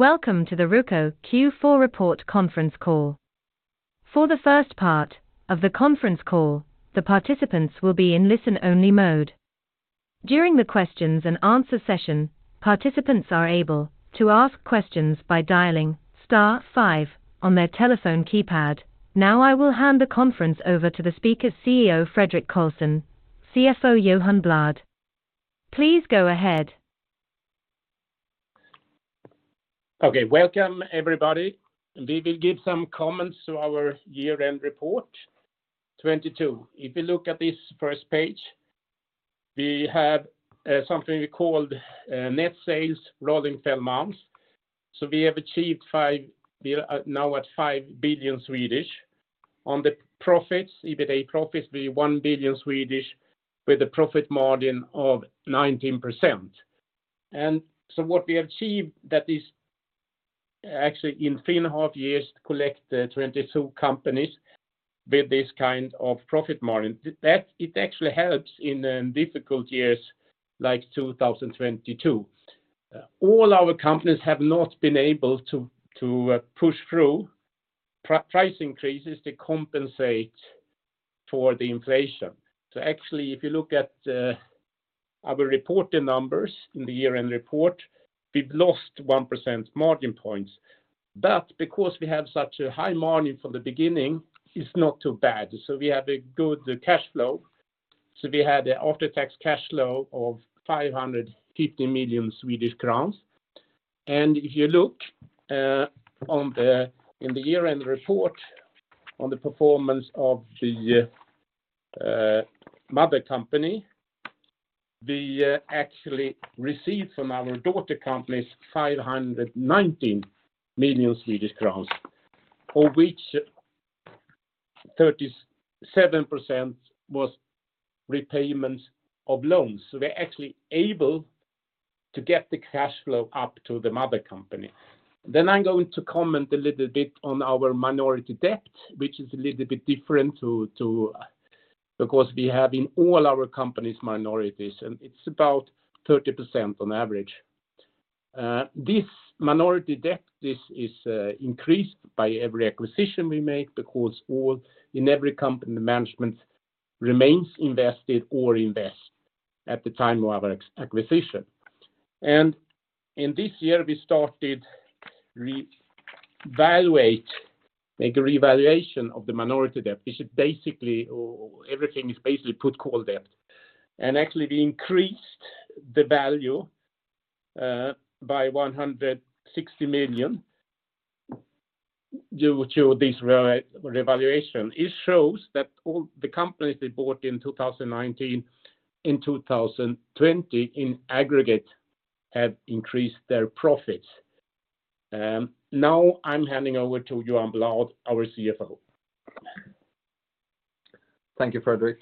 Welcome to the Röko Q4 report conference call. For the first part of the conference call, the participants will be in listen-only mode. During the questions-and-answer session, participants are able to ask questions by dialing star five on their telephone keypad. Now I will hand the conference over to the speaker, CEO Fredrik Karlsson, CFO Johan Bladh. Please go ahead. Okay. Welcome everybody. We will give some comments to our year-end report 2022. If you look at this first page, we have something we called net sales rolling 12 months. We are now at 5 billion. On the profits, EBITDA profits, we're 1 billion with a profit margin of 19%. What we have achieved that is actually in 3.5 years collect 22 companies with this kind of profit margin. That it actually helps in difficult years like 2022. All our companies have not been able to push through price increases to compensate for the inflation. Actually, if you look at our reported numbers in the year-end report, we've lost 1% margin points. Because we have such a high margin from the beginning, it's not too bad. We have a good cash flow. We had after-tax cash flow of 550 million Swedish crowns. If you look in the year-end report on the performance of the mother company, we actually received from our daughter companies 519 million Swedish crowns, of which 37% was repayments of loans. We're actually able to get the cash flow up to the mother company. I'm going to comment a little bit on our minority debt, which is a little bit different to. Because we have in all our companies minorities, and it's about 30% on average. This minority debt, this is increased by every acquisition we make because all in every company the management remains invested or invest at the time of our acquisition. In this year, we started reevaluate, make a reevaluation of the minority debt, which is basically everything is basically put call debt. Actually we increased the value by 160 million due to this re-revaluation. It shows that all the companies we bought in 2019, in 2020 in aggregate have increased their profits. Now I'm handing over to Johan Bladh, our CFO. Thank you, Fredrik.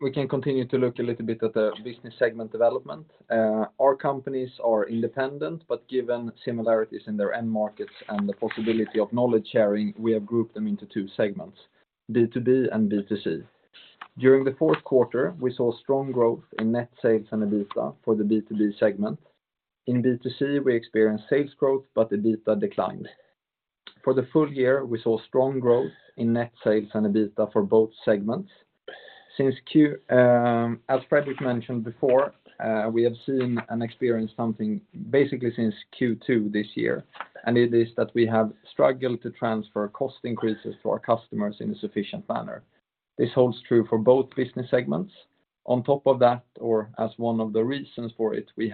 We can continue to look a little bit at the business segment development. Our companies are independent, but given similarities in their end markets and the possibility of knowledge sharing, we have grouped them into two segments, B2B and B2C. During the fourth quarter, we saw strong growth in net sales and EBITDA for the B2B segment. In B2C, we experienced sales growth but EBITDA declined. For the full year, we saw strong growth in net sales and EBITDA for both segments. As Fredrik mentioned before, we have seen and experienced something basically since Q2 this year, and it is that we have struggled to transfer cost increases to our customers in a sufficient manner. This holds true for both business segments. On top of that, or as one of the reasons for it, we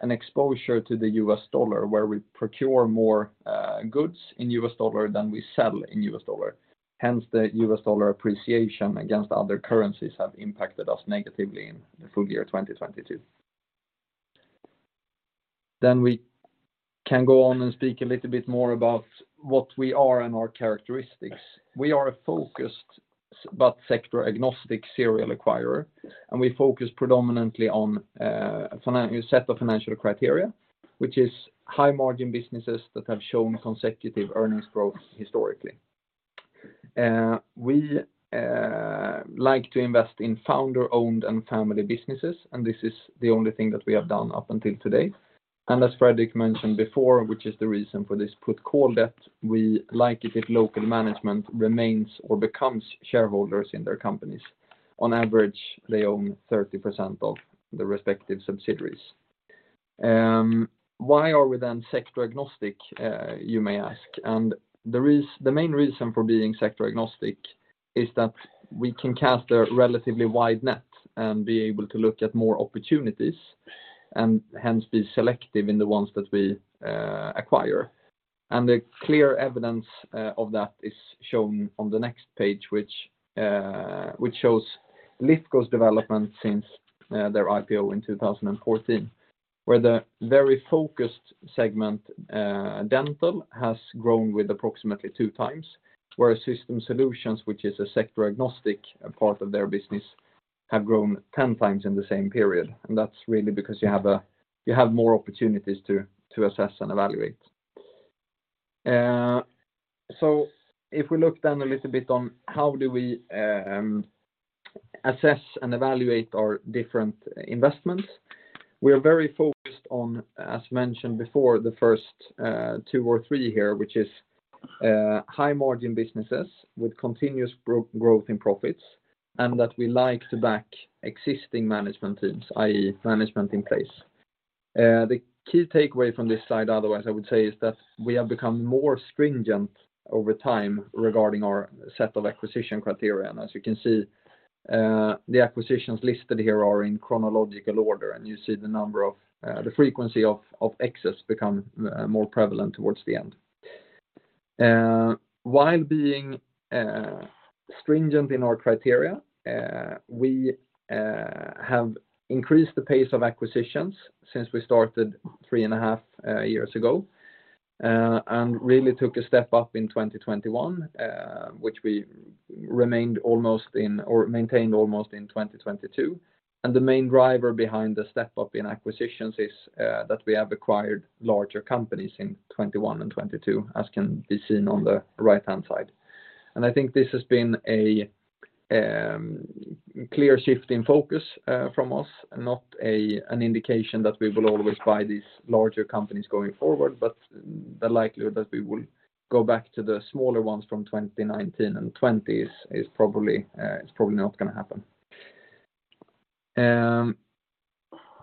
have an exposure to the U.S. dollar, where we procure more goods in U.S. dollar than we sell in U.S. dollar. The U.S. dollar appreciation against other currencies have impacted us negatively in the full year 2022. We can go on and speak a little bit more about what we are and our characteristics. We are a focused but sector agnostic serial acquirer, and we focus predominantly on a set of financial criteria, which is high margin businesses that have shown consecutive earnings growth historically. We like to invest in founder-owned and family businesses, and this is the only thing that we have done up until today. As Fredrik mentioned before, which is the reason for this put call debt, we like it if local management remains or becomes shareholders in their companies. On average, they own 30% of the respective subsidiaries. Why are we sector agnostic, you may ask. The main reason for being sector agnostic is that we can cast a relatively wide net and be able to look at more opportunities and hence be selective in the ones that we acquire. The clear evidence of that is shown on the next page which shows Lifco's development since their IPO in 2014. Where the very focused segment, Dental has grown with approximately two times, whereas Systems Solutions, which is a sector agnostic part of their business, have grown 10 times in the same period. That's really because you have more opportunities to assess and evaluate. If we look a little bit on how do we assess and evaluate our different investments, we are very focused on, as mentioned before, the first two or three here, which is high margin businesses with continuous growth in profits and that we like to back existing management teams, i.e. management in place. The key takeaway from this slide, otherwise, I would say is that we have become more stringent over time regarding our set of acquisition criteria. As you can see, the acquisitions listed here are in chronological order, and you see the number of, the frequency of X's become more prevalent towards the end. While being stringent in our criteria, we have increased the pace of acquisitions since we started 3.5 years ago, and really took a step up in 2021, which we remained almost in or maintained almost in 2022. The main driver behind the step-up in acquisitions is that we have acquired larger companies in 21 and 22, as can be seen on the right-hand side. I think this has been a clear shift in focus from us, not an indication that we will always buy these larger companies going forward, but the likelihood that we will go back to the smaller ones from 2019 and 20 is probably not gonna happen.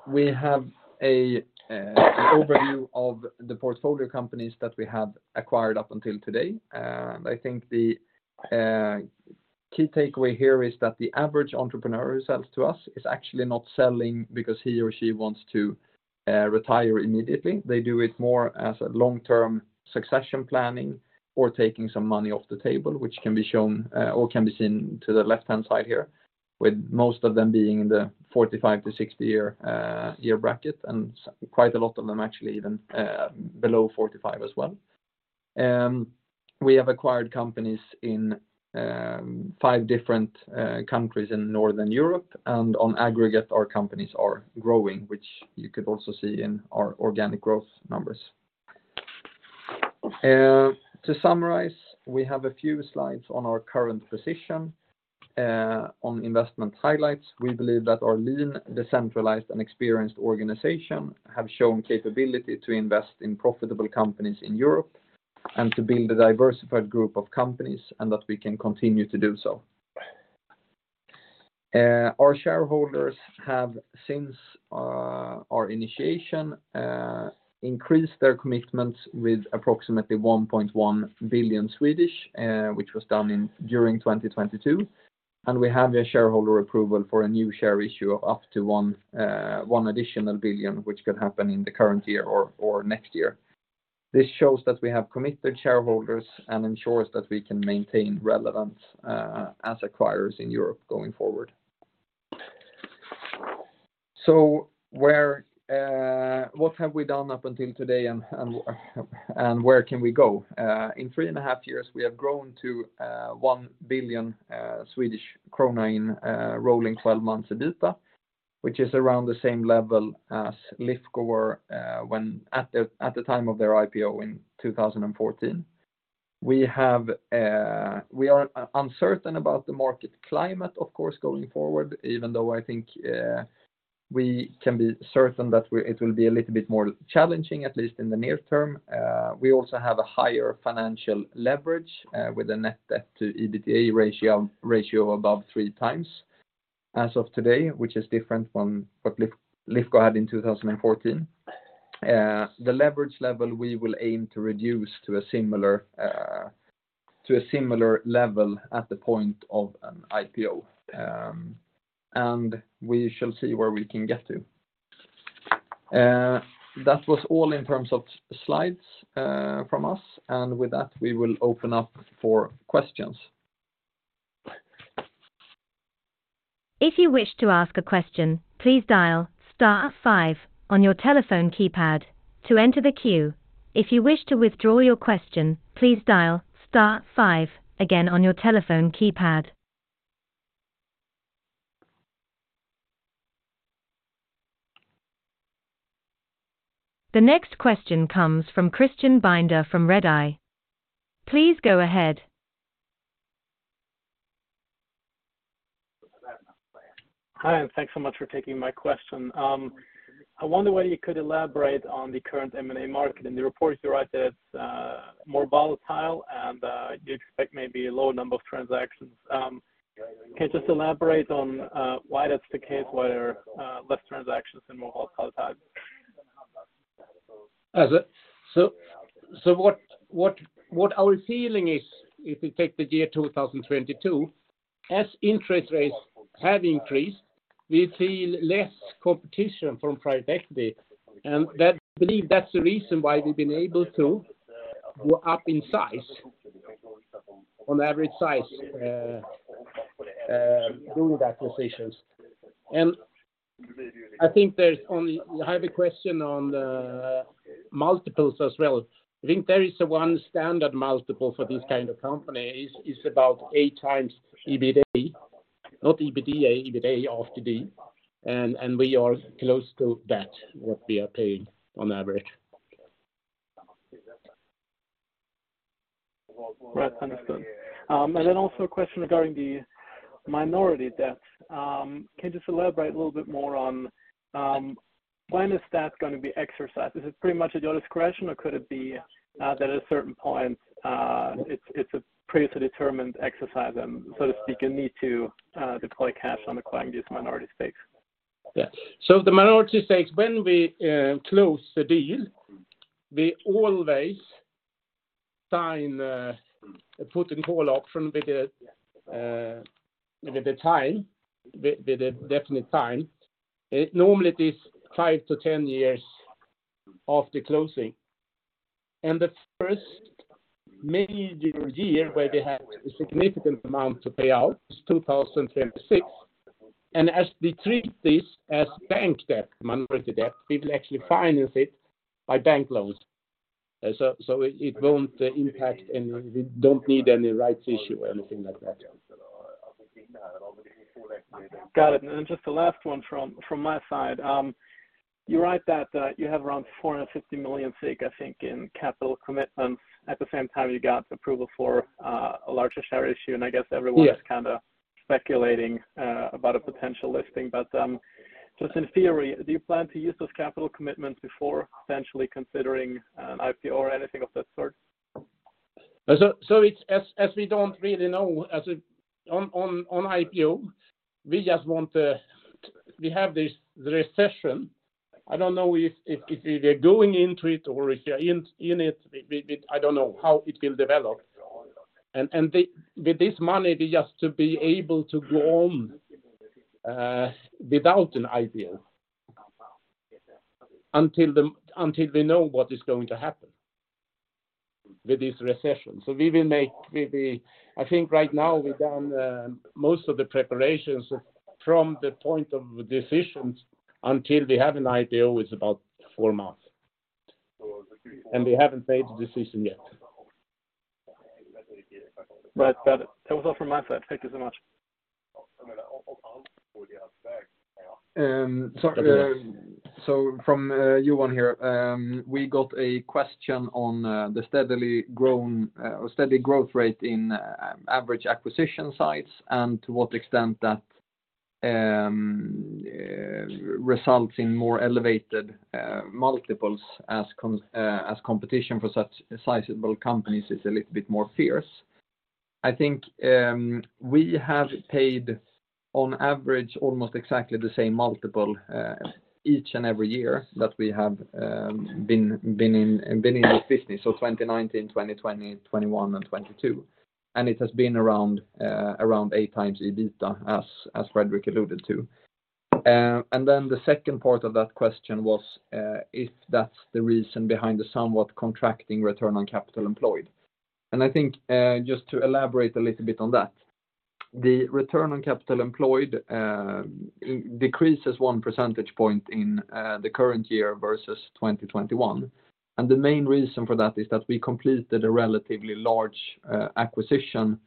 We have an overview of the portfolio companies that we have acquired up until today. I think the key takeaway here is that the average entrepreneur who sells to us is actually not selling because he or she wants to retire immediately. They do it more as a long-term succession planning or taking some money off the table, which can be shown or can be seen to the left-hand side here, with most of them being in the 45 to 60 year bracket, and quite a lot of them actually even below 45 as well. We have acquired companies in five different countries in Northern Europe, and on aggregate, our companies are growing, which you could also see in our organic growth numbers. To summarize, we have a few slides on our current position on investment highlights. We believe that our lean, decentralized, and experienced organization have shown capability to invest in profitable companies in Europe and to build a diversified group of companies. That we can continue to do so. Our shareholders have, since our initiation, increased their commitments with approximately 1.1 billion, which was done in during 2022, and we have a shareholder approval for a new share issue of up to 1 billion, which could happen in the current year or next year. This shows that we have committed shareholders and ensures that we can maintain relevance as acquirers in Europe going forward. What have we done up until today and where can we go? In 3.5 years, we have grown to 1 billion Swedish krona in rolling 12 months EBITDA, which is around the same level as Lifco were when at the time of their IPO in 2014. We are uncertain about the market climate, of course, going forward, even though I think we can be certain that it will be a little bit more challenging, at least in the near term. We also have a higher financial leverage with a net debt to EBITDA ratio above three times as of today, which is different from what Lifco had in 2014. The leverage level we will aim to reduce to a similar level at the point of an IPO, and we shall see where we can get to. That was all in terms of slides from us. With that, we will open up for questions. If you wish to ask a question, please dial star five on your telephone keypad to enter the queue. If you wish to withdraw your question, please dial star five again on your telephone keypad. The next question comes from Christian Binder from Redeye. Please go ahead. Hi, thanks so much for taking my question. I wonder whether you could elaborate on the current M&A market? In the report you write that it's more volatile and you expect maybe a lower number of transactions. Can you just elaborate on why that's the case, why there are less transactions and more volatile times? What our feeling is, if we take the year 2022, as interest rates have increased, we feel less competition from private equity. Believe that's the reason why we've been able to go up in size, on average size, doing the acquisitions. I think you have a question on the multiples as well. I think there is one standard multiple for this kind of company is about 8x EBITA. Not EBITDA, EBITA after D. We are close to that, what we are paying on average. Right. Understood. Also a question regarding the minority debt. Can you just elaborate a little bit more on when is that gonna be exercised? Is it pretty much at your discretion or could it be that at a certain point, it's a pre-determined exercise and so to speak, you need to deploy cash on acquiring these minority stakes? Yeah. The minority stakes, when we close the deal, we always sign a put and call option with the time, with a definite time. Normally, it is five to 10 years after closing. The first major year where they have a significant amount to pay out is 2026. As we treat this as bank debt, minority debt, we will actually finance it by bank loans. it won't impact any... We don't need any rights issue or anything like that. Got it. Just the last one from my side. You write that you have around 450 million, I think, in capital commitments. At the same time, you got approval for a larger share issue, and I guess everyone- Yes... is kind of speculating, about a potential listing. Just in theory, do you plan to use those capital commitments before potentially considering an IPO or anything of that sort? It's as we don't really know as a. On IPO, we just want to. We have this, the recession. I don't know if they're going into it or if they're in it. I don't know how it will develop. With this money, they just to be able to go on without an IPO until they know what is going to happen with this recession. We will make maybe. I think right now we've done most of the preparations from the point of decisions until they have an IPO is about four months, and we haven't made the decision yet. Right. Got it. That was all from my side. Thank you so much. From Johan here, we got a question on the steadily grown or steady growth rate in average acquisition size and to what extent that results in more elevated multiples as competition for such sizable companies is a little bit more fierce. I think, we have paid on average almost exactly the same multiple each and every year that we have been in this business, so 2019, 2020, 2021 and 2022. It has been around 8x EBITDA As Fredrik alluded to. Then the second part of that question was if that's the reason behind the somewhat contracting Return on Capital Employed. I think, just to elaborate a little bit on that. The Return on Capital Employed decreases 1 percentage point in the current year versus 2021. The main reason for that is that we completed a relatively large acquisition,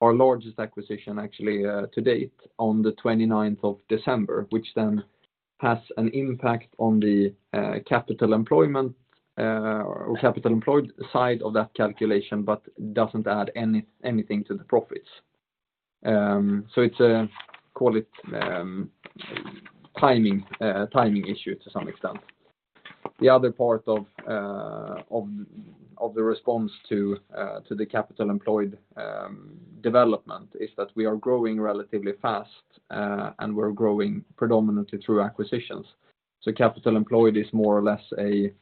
our largest acquisition actually, to date on the 29th of December, which then has an impact on the Capital Employment or Capital Employed side of that calculation, but doesn't add anything to the profits. It's a, call it, timing issue to some extent. The other part of the response to the Capital Employed development is that we are growing relatively fast and we're growing predominantly through acquisitions. Capital employed is more or less a,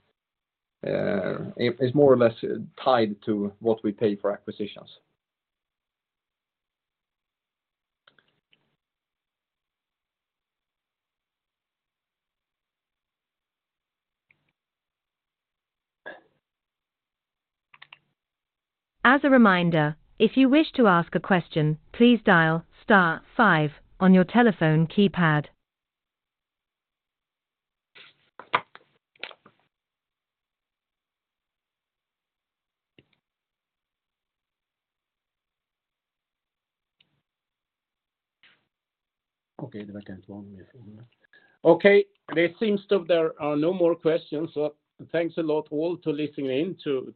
it's more or less tied to what we pay for acquisitions. As a reminder, if you wish to ask a question, please dial star five on your telephone keypad. Okay. It seems that there are no more questions. Thanks a lot all to listening in to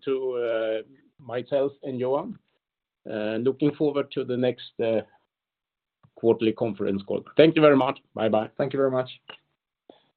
myself and Johan. Looking forward to the next quarterly conference call. Thank you very much. Bye-bye. Thank you very much.